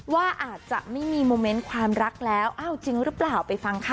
ว่าอาจจะไม่มีโมเมนต์ความรักแล้วอ้าวจริงหรือเปล่าไปฟังค่ะ